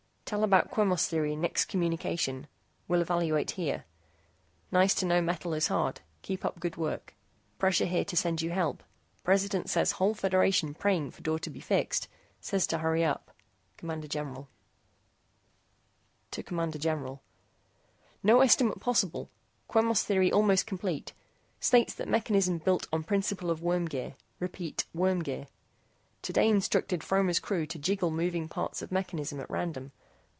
TELL ABOUT QUEMOS THEORY IN NEXT COMMUNICATION. WILL EVALUATE HERE. NICE TO KNOW METAL IS HARD. KEEP UP GOOD WORK. PRESSURE HERE TO SEND YOU HELP. PRESIDENT SAYS WHOLE FEDERATION PRAYING FOR DOOR TO BE FIXED. SAYS TO HURRY UP. CMD GENERAL CMD GENERAL NO ESTIMATE POSSIBLE. QUEMOS THEORY ALMOST COMPLETE. STATES THAT MECHANISM BUILT ON PRINCIPLE OF WORM GEAR. REPEAT. WORM GEAR. TODAY INSTRUCTED FROMER'S CREW TO JIGGLE MOVING PARTS OF MECHANISM AT RANDOM.